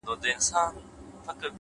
هوښیاري د لومړیتوبونو پېژندل دي؛